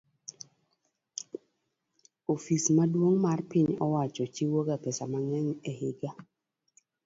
Ofis maduong' mar piny owacho chiwoga pesa mang'eny higa